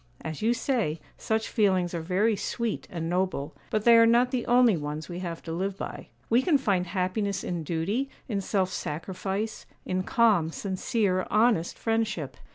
As you say, such feelings are very sweet and noble; but they are not the only ones we have to live by. We can find happiness in duty, in self sacrifice, in calm, sincere, honest friendship.